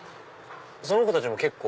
その子たちも結構。